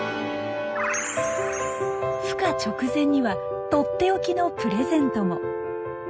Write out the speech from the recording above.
ふ化直前にはとっておきのプレゼントも。